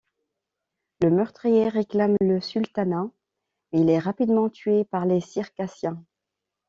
Le meurtrier réclame le sultanat, mais il est rapidement tué par les circassiens.